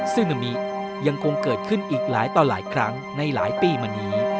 ซึ่งนามิยังคงเกิดขึ้นอีกหลายต่อหลายครั้งในหลายปีมานี้